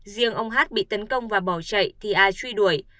riêng ông h bị tấn công và bỏ chạy thì a truy đuổi